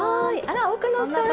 あら奥野さん。